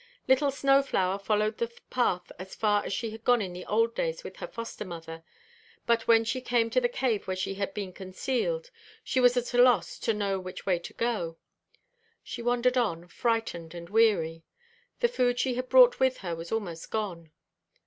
Little Snow flower followed the path as far as she had gone in the old days with her foster mother; but when she came to the cave where she had been concealed, she was at a loss to know which way to go. She wandered on, frightened and weary. The food she had brought with her was almost gone.